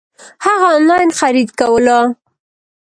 هغه انلاين خريد کولو